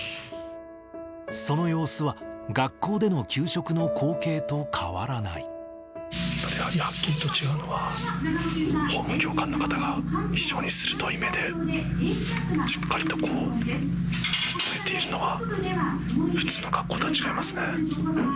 その様子は学校での給食の光はっきりと違うのは、法務教官の方が、非常に鋭い目で、しっかりと見つめているのが、普通の学校とは違いますね。